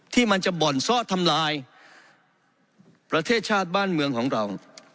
ที่มันจะบ่อนซ่อทำลายประเทศชาติบ้านเมืองของเรา